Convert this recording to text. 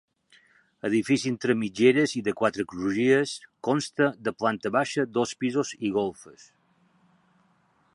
Edifici entre mitgeres i de quatre crugies, consta de planta baixa, dos pisos i golfes.